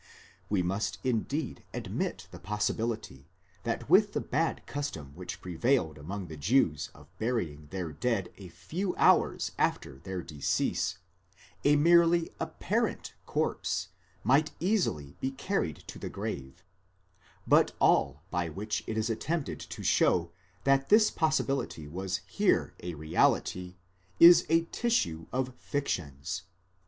We must indeed admit the possibility that with the bad custom which prevailed among the Jews of burying their dead a few hours after their decease, a merely apparent corpse might easily be carried to the grave ;4 but all by which it is attempted to show that this possibility was here a reality, is a tissue of fictions.